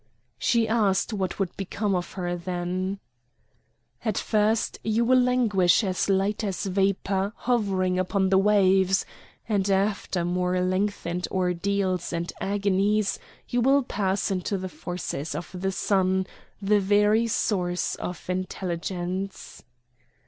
She asked what would become of her then. "At first you will languish as light as a vapour hovering upon the waves; and after more lengthened ordeals and agonies, you will pass into the forces of the sun, the very source of Intelligence!"